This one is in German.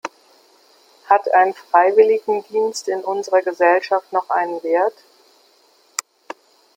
Hat ein Freiwilligendienst in unserer Gesellschaft noch einen Wert?